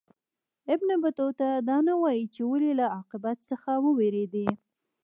ابن بطوطه دا نه وايي چې ولي له عاقبت څخه ووېرېدی.